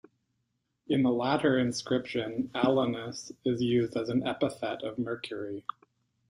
In the latter inscription, Alaunus is used as an epithet of Mercury.